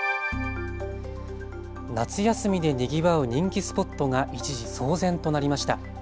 夏休みでにぎわう人気スポットが一時、騒然となりました。